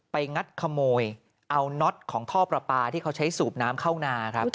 งัดขโมยเอาน็อตของท่อประปาที่เขาใช้สูบน้ำเข้านาครับ